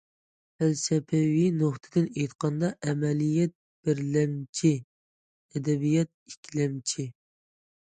پەلسەپىۋى نۇقتىدىن ئېيتقاندا، ئەمەلىيەت بىرلەمچى، ئەدەبىيات ئىككىلەمچى.